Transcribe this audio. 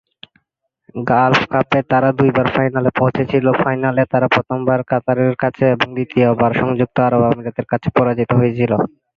Gulf কাপে, তারা দুই বার ফাইনালে পৌঁছেছিল, ফাইনালে তারা প্রথমবার কাতারের কাছে এবং দ্বিতীয়বার সংযুক্ত আরব আমিরাতের কাছে পরাজিত হয়েছিল।